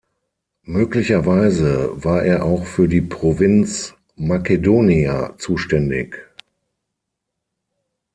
Möglicherweise war er auch für die Provinz "Macedonia" zuständig.